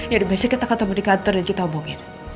ya di basic kita ketemu di kantor dan kita hubungin